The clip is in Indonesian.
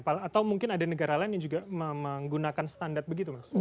atau mungkin ada negara lain yang juga menggunakan standar begitu mas